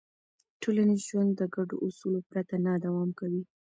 ټولنیز ژوند د ګډو اصولو پرته نه دوام کوي.